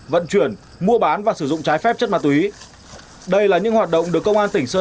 vận chuyển mua bán và sử dụng trái phép chất ma túy đây là những hoạt động được công an tỉnh sơn